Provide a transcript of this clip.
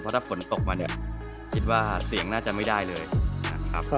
ถ้าฝนตกมาเนี่ยคิดว่าเสียงน่าจะไม่ได้เลยนะครับ